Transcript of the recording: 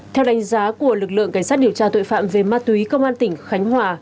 theo đánh giá của lực lượng cảnh sát điều tra tội phạm về ma túy công an tỉnh khánh hòa